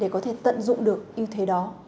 có thể tận dụng được như thế đó